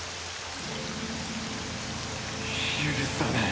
許さない。